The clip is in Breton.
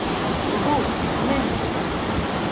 Oc'ho ! An hent !